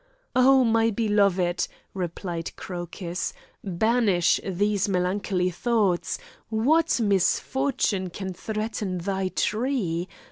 "Oh, my beloved," replied Crocus, "banish these melancholy thoughts! What misfortune can threaten thy tree?